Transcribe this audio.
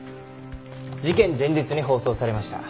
事件前日に放送されました。